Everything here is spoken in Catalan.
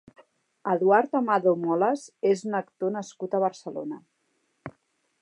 Eduard Amado Moles és un actor nascut a Barcelona.